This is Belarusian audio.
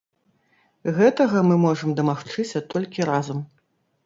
Гэтага мы можам дамагчыся толькі разам.